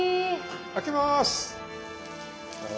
開けます。